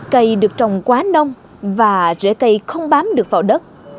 cây được trồng quá nông và rễ cây không bám được vào đất